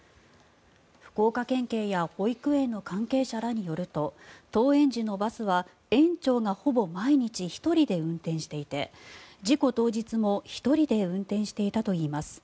福岡県警や保育園の関係者らによると登園時のバスは園長がほぼ毎日１人で運転していて事故当日も１人で運転していたといいます。